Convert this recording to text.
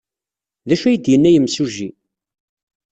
D acu ay d-yenna yemsujji?